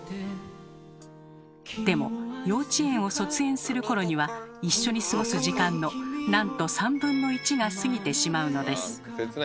でも幼稚園を卒園する頃には一緒に過ごす時間のなんと３分の１が過ぎてしまうのです。